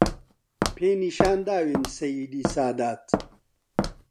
پێی نیشان داوین سەییدی سادات